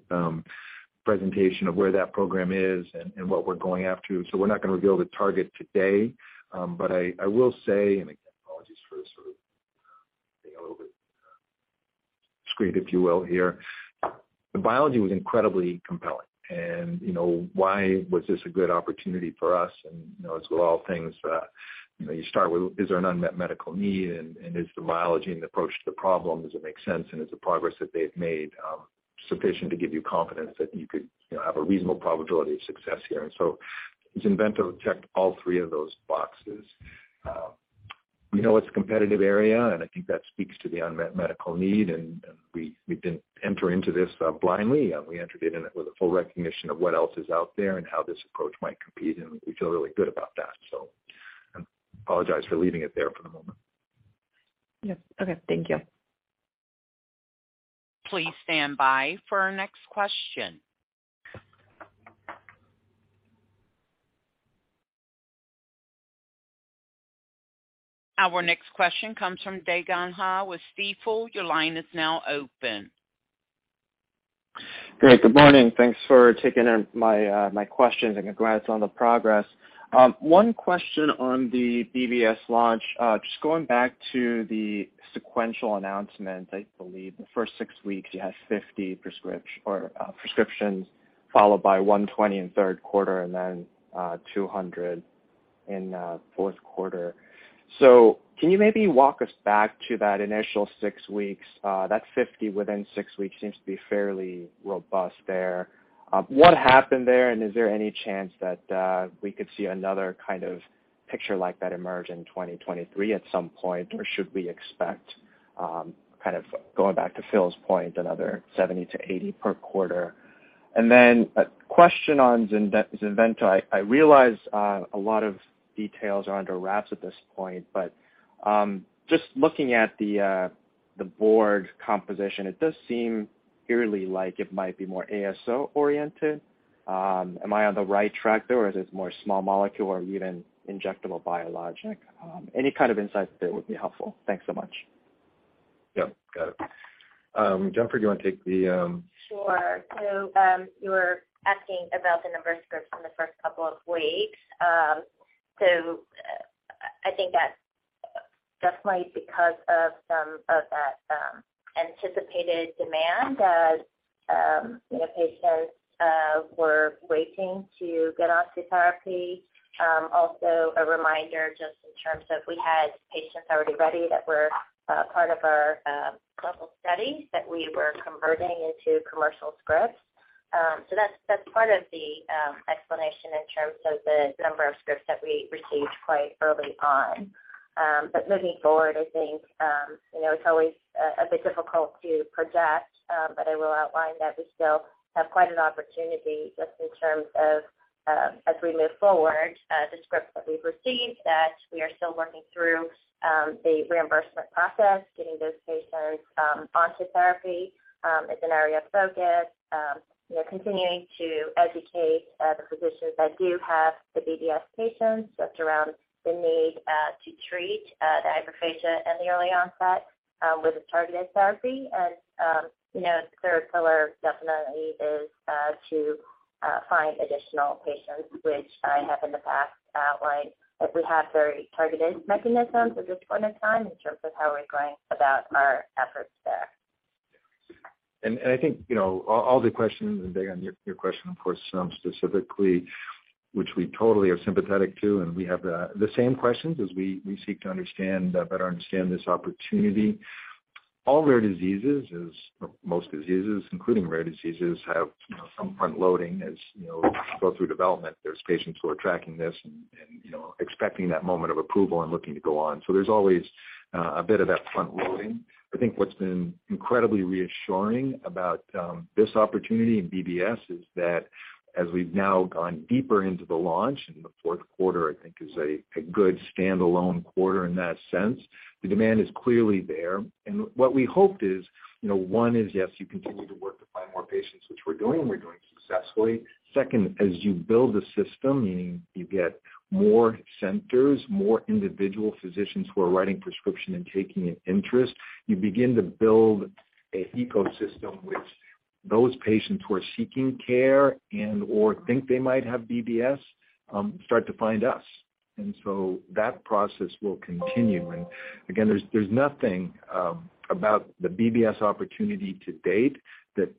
presentation of where that program is and what we're going after. We're not gonna reveal the target today. I will say, and again, apologies for sort of being a little bit discreet, if you will here. The biology was incredibly compelling. You know, why was this a good opportunity for us? You know, as with all things, you know, you start with, is there an unmet medical need and is the biology and approach to the problem, does it make sense and is the progress that they've made sufficient to give you confidence that you could, you know, have a reasonable probability of success here. Xinvento checked all three of those boxes. We know it's a competitive area, and I think that speaks to the unmet medical need and we didn't enter into this blindly. We entered it in it with a full recognition of what else is out there and how this approach might compete, and we feel really good about that. Apologize for leaving it there for the moment. Okay. Thank you. Please stand by for our next question. Our next question comes from Dae Gon Ha with Stifel. Your line is now open. Great, good morning. Thanks for taking my questions, and congrats on the progress. One question on the BBS launch. Just going back to the sequential announcement, I believe the first six weeks you had 50 prescription or prescriptions, followed by 120 in Q3 and then 200 in Q4. Can you maybe walk us back to that initial six weeks? That 50 within six weeks seems to be fairly robust there. What happened there, and is there any chance that we could see another kind of picture like that emerge in 2023 at some point? Should we expect, kind of going back to Phil's point, another 70 to 80 per quarter? A question on Xinvento. I realize a lot of details are under wraps at this point. Just looking at the board composition, it does seem eerily like it might be more ASO oriented. Am I on the right track there or is this more small molecule or even injectable biologic? Any kind of insights there would be helpful. Thanks so much. Yeah. Got it. Jennifer, do you want to take the. Sure. you were asking about the number of scripts in the first couple of weeks. I think that's definitely because of some of that anticipated demand as, you know, patients were waiting to get onto therapy. Also a reminder, just in terms of we had patients already ready that were part of our global study that we were converting into commercial scripts. That's part of the explanation in terms of the number of scripts that we received quite early on. Moving forward, I think, you know, it's always a bit difficult to project, but I will outline that we still have quite an opportunity just in terms of, as we move forward, the scripts that we've received that we are still working through, the reimbursement process, getting those patients onto therapy, is an area of focus. You know, continuing to educate the physicians that do have the BBS patients just around the need to treat the dysphagia and the early onset with a targeted therapy. You know, the third pillar definitely is to find additional patients, which I have in the past outlined that we have very targeted mechanisms at this point in time in terms of how we're going about our efforts there. I think, you know, all the questions, and Dae Gon your question of course, specifically, which we totally are sympathetic to and we have the same questions as we seek to understand, better understand this opportunity. All rare diseases, as most diseases, including rare diseases, have, you know, some front loading. As you know, go through development, there's patients who are tracking this and, you know, expecting that moment of approval and looking to go on. There's always a bit of that front loading. I think what's been incredibly reassuring about this opportunity in BBS is that as we've now gone deeper into the launch in the Q4, I think is a good standalone quarter in that sense. The demand is clearly there. What we hoped is, you know, one is, yes, you continue to work to find more patients, which we're doing and we're doing successfully. Second, as you build the system, meaning you get more centers, more individual physicians who are writing prescription and taking an interest, you begin to build a ecosystem which those patients who are seeking care and/or think they might have BBS start to find us. That process will continue. Again, there's nothing about the BBS opportunity to date that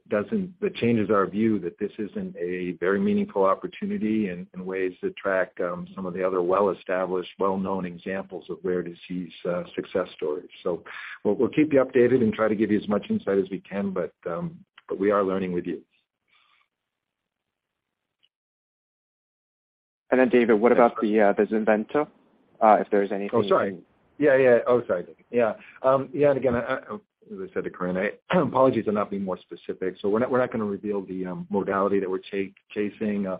changes our view that this isn't a very meaningful opportunity in ways that track some of the other well-established, well-known examples of rare disease success stories. We'll keep you updated and try to give you as much insight as we can, but we are learning with you. David, what about the Xinvento? If there's anything- Oh, sorry. Yeah, yeah. Oh, sorry. Yeah. Again, as I said to Corinne, apologies on not being more specific. We're not gonna reveal the modality that we're chasing.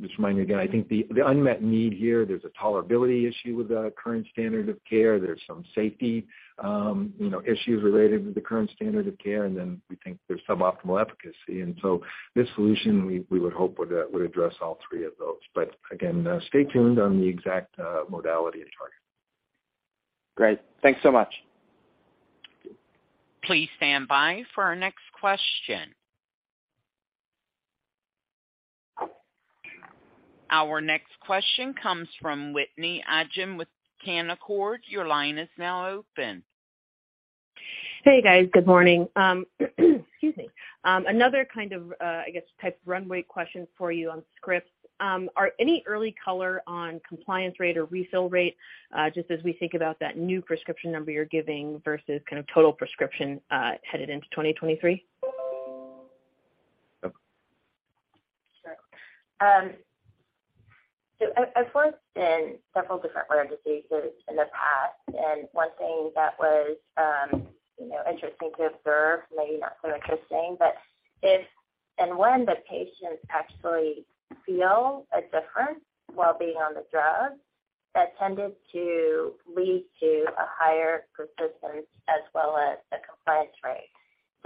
Just remind you again, I think the unmet need here, there's a tolerability issue with the current standard of care. There's some safety, you know, issues related to the current standard of care, and then we think there's some optimal efficacy. This solution, we would hope would address all three of those. Again, stay tuned on the exact modality and target. Great. Thanks so much. Please stand by for our next question. Our next question comes from Whitney Ijem with Canaccord. Your line is now open. Hey, guys. Good morning. Excuse me. Another kind of, I guess type runway question for you on scripts. Are any early color on compliance rate or refill rate, just as we think about that new prescription number you're giving versus kind of total prescription, headed into 2023? Sure. I've worked in several different rare diseases in the past, and one thing that was, you know, interesting to observe, maybe not so interesting, but when the patients actually feel a difference while being on the drug, that tended to lead to a higher persistence as well as a compliance rate.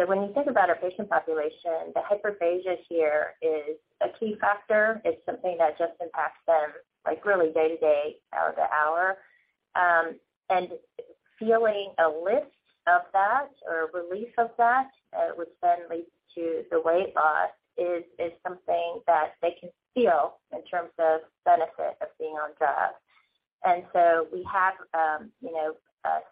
When you think about our patient population, the hyperphagia here is a key factor. It's something that just impacts them, like, really day to day, hour to hour. And feeling a lift of that or a relief of that, which then leads to the weight loss is something that they can feel in terms of benefit of being on drug. We have, you know,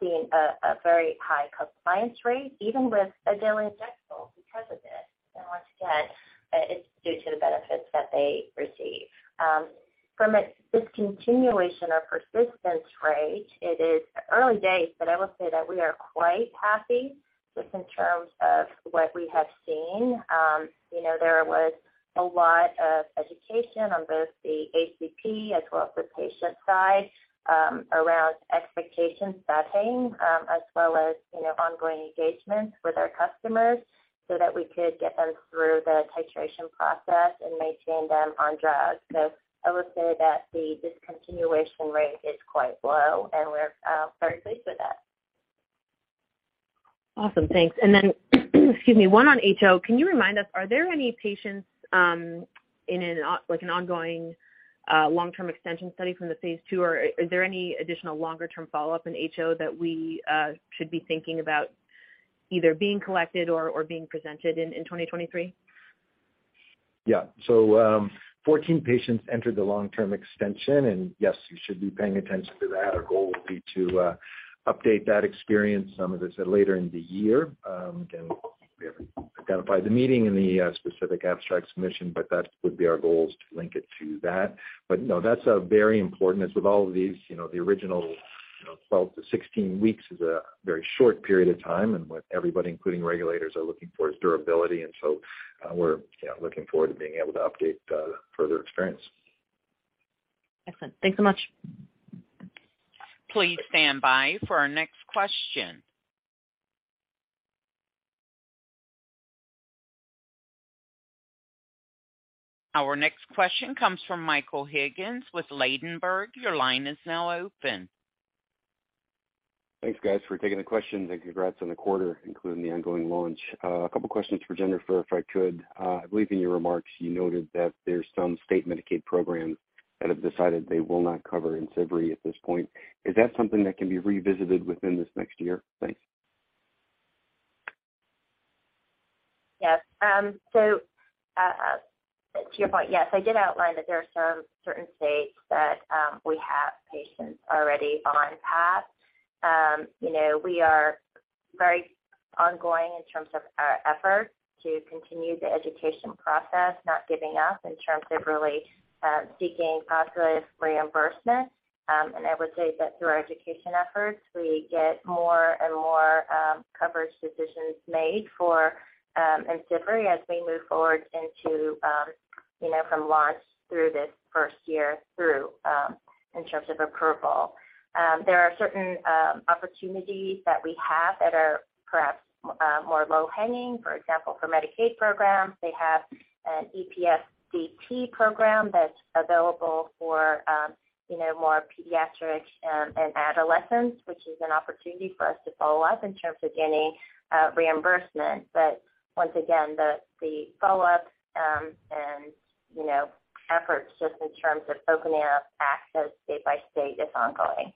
seen a very high compliance rate, even with a daily injectable because of this. Once again, it's due to the benefits that they receive. From a discontinuation or persistence rate, it is early days, but I will say that we are quite happy just in terms of what we have seen. You know, there was a lot of education on both the ACP as well as the patient side, around expectation setting, as well as, you know, ongoing engagement with our customers so that we could get them through the titration process and maintain them on drug. I would say that the discontinuation rate is quite low, and we're very pleased with that. Awesome. Thanks. Then, excuse me. One on HO, can you remind us, are there any patients, in an ongoing long-term extension study from the phase two? Or is there any additional longer-term follow-up in HO that we should be thinking about either being collected or being presented in 2023? Yeah. 14 patients entered the long-term extension, and yes, you should be paying attention to that. Our goal will be to update that experience, some of it, later in the year. Again, we haven't identified the meeting and the specific abstract submission, but that would be our goal is to link it to that. No, that's very important. As with all of these, you know, the original, you know, 12-16 weeks is a very short period of time, and what everybody, including regulators, are looking for is durability. We're, you know, looking forward to being able to update further experience. Excellent. Thanks so much. Please stand by for our next question. Our next question comes from Michael Higgins with Ladenburg. Your line is now open. Thanks, guys, for taking the question and congrats on the quarter, including the ongoing launch. A couple questions for Jennifer if I could. I believe in your remarks, you noted that there's some state Medicaid programs that have decided they will not cover IMCIVREE at this point. Is that something that can be revisited within this next year? Thanks. Yes. So, to your point, yes, I did outline that there are some certain states that we have patients already on PAP. You know, we are very ongoing in terms of our effort to continue the education process, not giving up in terms of really seeking positive reimbursement. I would say that through our education efforts, we get more and more coverage decisions made for IMCIVREE as we move forward into, you know, from launch through this first year through in terms of approval. There are certain opportunities that we have that are perhaps more low hanging. For example, for Medicaid programs, they have an EPSDT program that's available for, you know, more pediatric and adolescents, which is an opportunity for us to follow up in terms of any reimbursement. Once again, the follow-up, and, you kow, efforts just in terms of opening up access state by state is ongoing.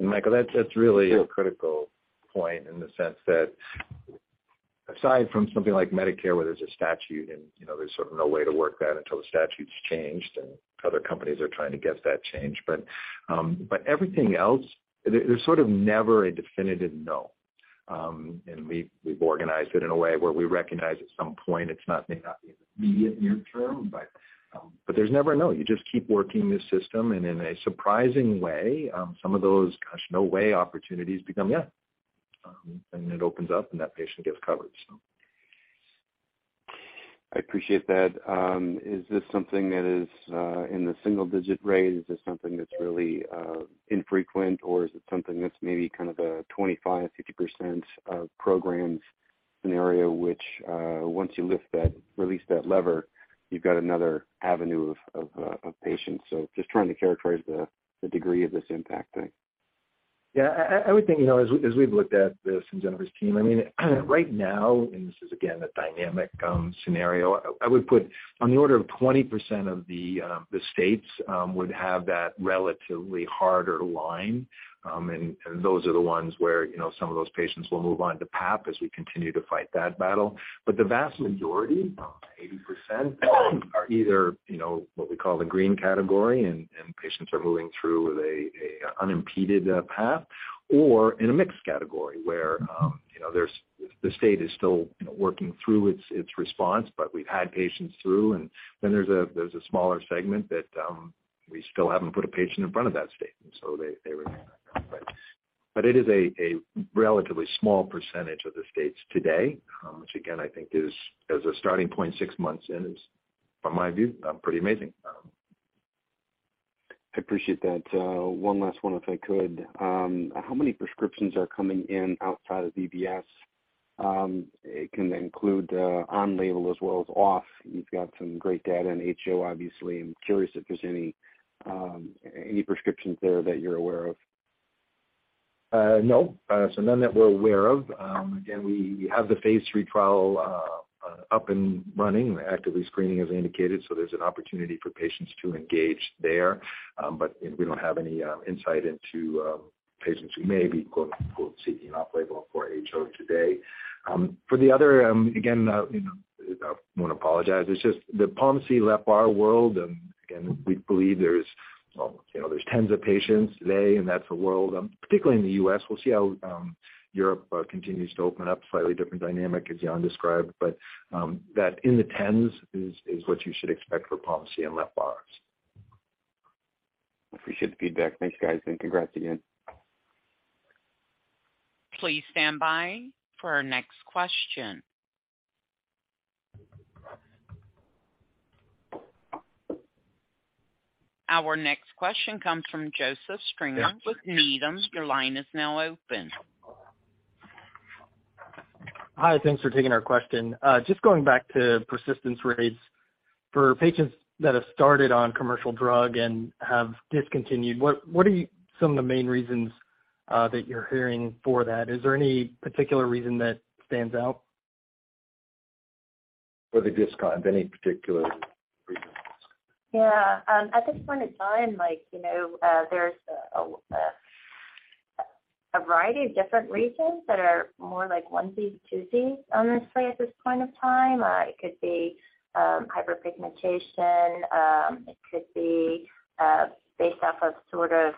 Michael, that's really a critical point in the sense that aside from something like Medicare, where there's a statute and, you know, there's sort of no way to work that until the statute's changed, and other companies are trying to get that changed. Everything else, there's sort of never a definitive no. We've organized it in a way where we recognize at some point it's not, may not be in the immediate near term, but there's never a no. You just keep working the system, and in a surprising way, some of those, gosh, no way opportunities become yeah. It opens up and that patient gets covered, so. I appreciate that. Is this something that is in the single-digit rate? Is this something that's really infrequent, or is it something that's maybe kind of a 25, 50% of programs scenario, which once you release that lever, you've got another avenue of patients. Just trying to characterize the degree of this impact, thanks. Yeah. I would think, you know, as we've looked at this in Jennifer's team, I mean, right now, and this is again, a dynamic scenario, I would put on the order of 20% of the states would have that relatively harder line. Those are the ones where, you know, some of those patients will move on to PAP as we continue to fight that battle. The vast majority, 80% are either, you know, what we call the green category and patients are moving through with a unimpeded path or in a mixed category where, you know, there's the state is still, you know, working through its response, but we've had patients through. There's a smaller segment that, we still haven't put a patient in front of that state, and so they remain that confident. It is a relatively small percentage of the states today, which again, I think is, as a starting point six months in, is from my view, pretty amazing. I appreciate that. One last one, if I could. How many prescriptions are coming in outside of BBS? It can include on-label as well as off. You've got some great data in HO, obviously. I'm curious if there's any any prescriptions there that you're aware of. No. None that we're aware of. Again, we have the phase three trial up and running, actively screening as indicated. There's an opportunity for patients to engage there. We don't have any insight into patients who may be quote-unquote, seeking off-label for HO today. For the other, again, you know, I want to apologize. It's just the POMC, LEPR world. Again, we believe there's, you know, there's tens of patients today, and that's a world particularly in the US .We'll see how Europe continues to open up. Slightly different dynamic, as Yann described, that in the tens is what you should expect for POMC and LEPR. Appreciate the feedback. Thanks, guys, and congrats again. Please stand by for our next question. Our next question comes from Joseph Stringer with Needham. Your line is now open. Hi. Thanks for taking our question. Just going back to persistence rates. For patients that have started on commercial drug and have discontinued, what are some of the main reasons that you're hearing for that? Is there any particular reason that stands out? For the discount, any particular reasons? Yeah. At this point in time, like, you know, there's a variety of different reasons that are more like onesies, twosies, honestly, at this point of time. It could be hyperpigmentation. It could be based off of sort of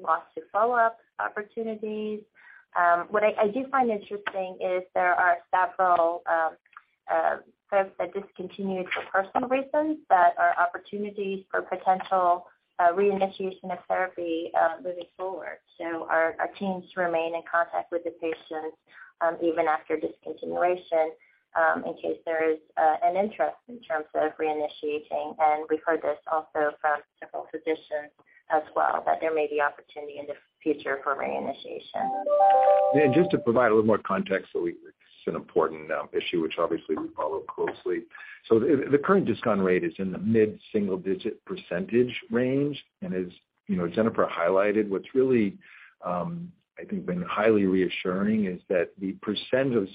loss to follow-up opportunities. What I do find interesting is there are several folks that discontinued for personal reasons that are opportunities for potential reinitiation of therapy moving forward. Our teams remain in contact with the patients even after discontinuation in case there is an interest in terms of reinitiating. We've heard this also from several physicians as well, that there may be opportunity in the future for reinitiation. Yeah. Just to provide a little more context. This is an important issue which obviously we follow closely. The current discount rate is in the mid-single-digit % range. As you know, Jennifer highlighted, what's really, I think been highly reassuring is that the % of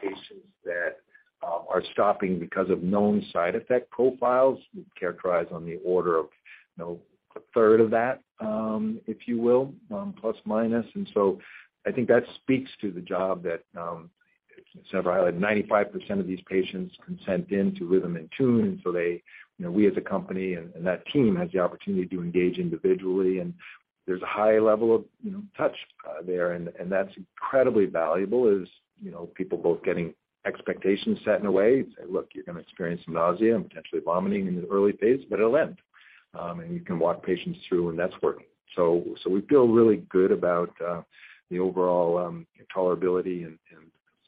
patients that are stopping because of known side effect profiles we've characterized on the order of, you know, a third of that, if you will, plus minus. I think that speaks to the job that, as Jennifer highlighted, 95% of these patients consent into Rhythm InTune. They, you know, we as a company and that team has the opportunity to engage individually, and there's a high level of, you know, touch there. That's incredibly valuable is, you know, people both getting expectations set in a way to say, "Look, you're going to experience some nausea and potentially vomiting in the early phase, but it'll end." You can walk patients through, and that's working. We feel really good about the overall tolerability and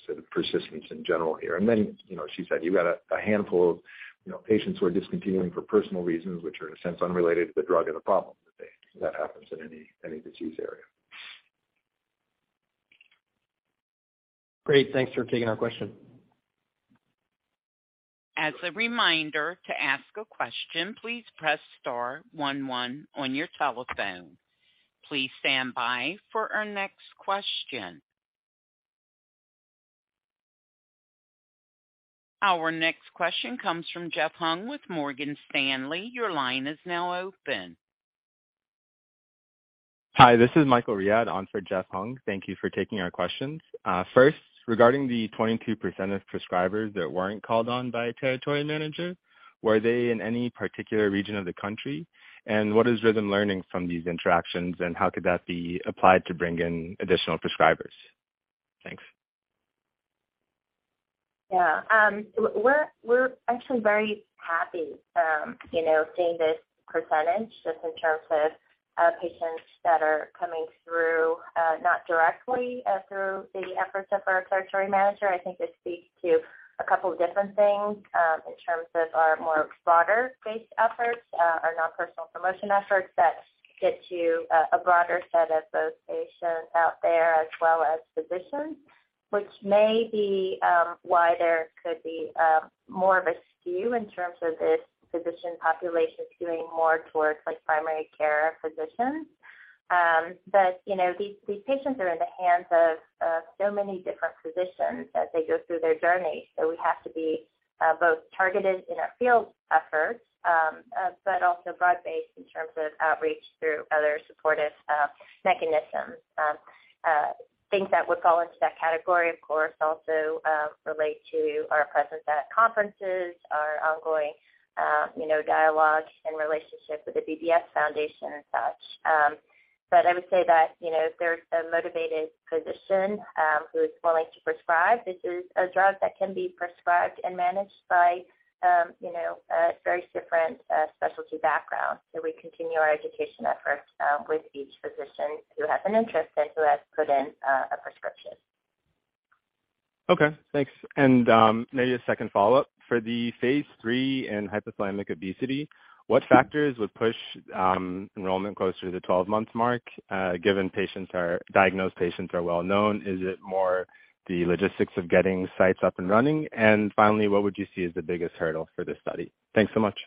sort of persistence in general here. Then, you know, she said you got a handful of, you know, patients who are discontinuing for personal reasons, which are in a sense unrelated to the drug and the problem that happens in any disease area. Great. Thanks for taking our question. As a reminder to ask a question, please press star one one on your telephone. Please stand by for our next question. Our next question comes from Jeff Hung with Morgan Stanley. Your line is now open. Hi, this is Michael Riad on for Jeff Hung. Thank you for taking our questions. First, regarding the 22% of prescribers that weren't called on by a territory manager, were they in any particular region of the country? What is Rhythm learning from these interactions, and how could that be applied to bring in additional prescribers? Thanks. Yeah. We're actually very happy, you know, seeing this percentage just in terms of patients that are coming through, not directly through the efforts of our territory manager. I think this speaks to a couple of different things, in terms of our more broader-based efforts, our non-personal promotion efforts that get to a broader set of those patients out there as well as physicians, which may be why there could be more of a skew in terms of this physician population skewing more towards, like, primary care physicians. But, you know, these patients are in the hands of so many different physicians as they go through their journey. So we have to be both targeted in our field efforts, but also broad-based in terms of outreach through other supportive mechanisms. Things that would fall into that category, of course, also, relate to our presence at conferences, our ongoing, you know, dialogue and relationship with the BBS Foundation and such. I would say that, you know, if there's a motivated physician, who is willing to prescribe, this is a drug that can be prescribed and managed by, you know, very different, specialty backgrounds. We continue our education efforts, with each physician who has an interest and who has put in, a prescription. Okay, thanks. Maybe a second follow-up. For the phase three in hypothalamic obesity, what factors would push enrollment closer to the 12-month mark, given diagnosed patients are well known? Is it more the logistics of getting sites up and running? Finally, what would you see as the biggest hurdle for this study? Thanks so much.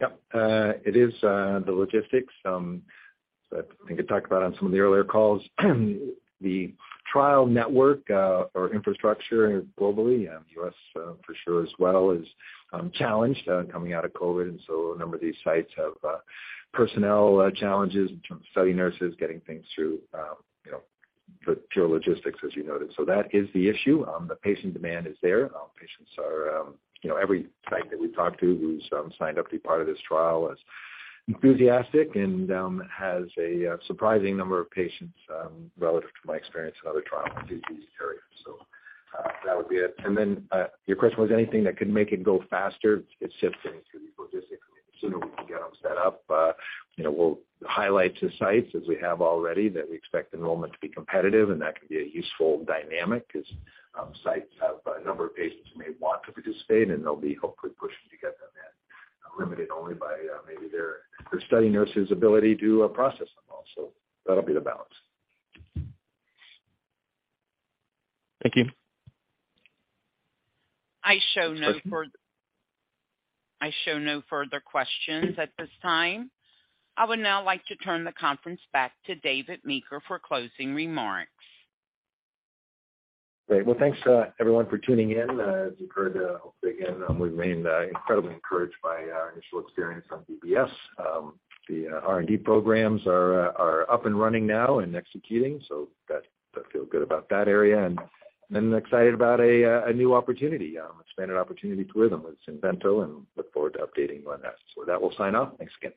Yep. It is the logistics. I think I talked about on some of the earlier calls. The trial network or infrastructure globally and US for sure as well is challenged coming out of COVID. A number of these sites have personnel challenges in terms of study nurses getting things through, you know, pure logistics, as you noted. That is the issue. The patient demand is there. Patients are, you know, every site that we talk to who's signed up to be part of this trial is enthusiastic and has a surprising number of patients relative to my experience in other trials in these areas. That would be it. Your question was anything that could make it go faster. It's just getting through the logistics. The sooner we can get them set up, you know, we'll highlight to sites as we have already that we expect enrollment to be competitive and that can be a useful dynamic as sites have a number of patients who may want to participate, and they'll be hopefully pushing to get them in, limited only by maybe their study nurse's ability to process them all. That'll be the balance. Thank you. I show no. Next question. I show no further questions at this time. I would now like to turn the conference back to David Meeker for closing remarks. Great. Well, thanks everyone for tuning in. As you heard, hopefully again, we remain incredibly encouraged by our initial experience on BBS. The R&D programs are up and running now and executing. I feel good about that area and then excited about a new opportunity, expanded opportunity for them with Xinvento and look forward to updating on that. With that, we'll sign off. Thanks again.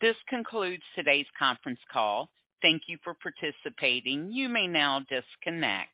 This concludes today's conference call. Thank you for participating. You may now disconnect.